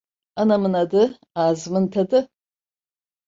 Anamın adı! Ağzımın tadı!